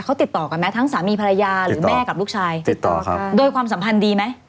เขาติดต่อกันไหมทั้งสามีภรรยาหรือแม่กับลูกชายติดต่อครับโดยความสัมพันธ์ดีไหม